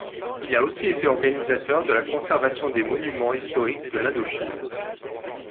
Il a aussi été organisateur de la conservation des Monuments historiques de l'Indochine.